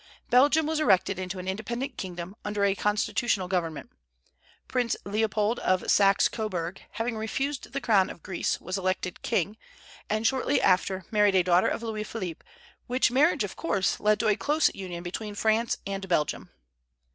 Belgium was erected into an independent kingdom, under a constitutional government. Prince Leopold, of Saxe Coburg, having refused the crown of Greece, was elected king, and shortly after married a daughter of Louis Philippe; which marriage, of course, led to a close union between France and Belgium.